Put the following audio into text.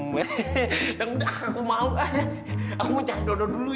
yang udah aku mau aku mau nyahdodoh dulu ya